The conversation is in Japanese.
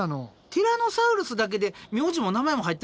ティラノサウルスだけで名字も名前も入ってると思ってました。